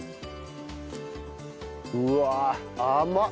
うわあ甘っ！